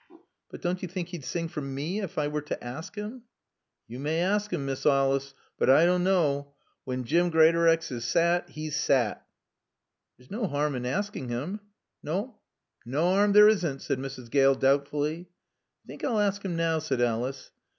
"But don't you think he'd sing for me, if I were to ask him?" "Yo' may aask 'im, Miss Olice, but I doan' knaw. Wann Jim Greatorex is sat, 'e's sat." "There's no harm in asking him." "Naw. Naw 'aarm there isn't," said Mrs. Gale doubtfully. "I think I'll ask him now," said Alice.